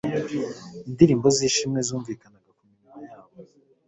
Indirimbo z'ishimwe zumvikanaga ku minwa yabo